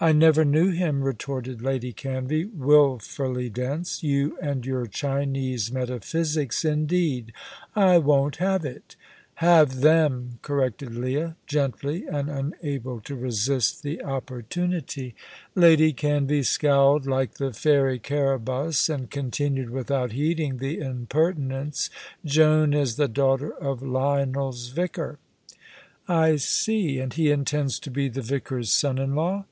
"I never knew him," retorted Lady Canvey, wilfully dense. "You and your Chinese metaphysics indeed! I won't have it " "Have them," corrected Leah, gently, and unable to resist the opportunity. Lady Canvey scowled like the fairy Caraboss, and continued, without heeding the impertinence, "Joan is the daughter of Lionel's vicar." "I see, and he intends to be the vicar's son in law."